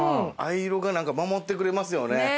藍色がなんか守ってくれますよね。